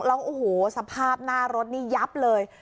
แล้วสภาพหน้ารถยับเลย